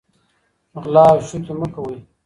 غلا او شوکې مه کوئ.